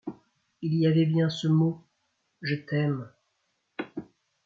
Il y avait bien ce mot : Je t’aime !